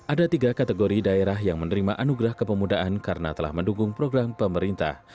ada tiga kategori daerah yang menerima anugerah kepemudaan karena telah mendukung program pemerintah